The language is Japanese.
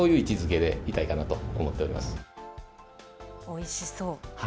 おいしそう。